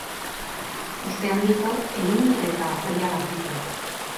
Ospe handiko ehun eta oihalak ditu.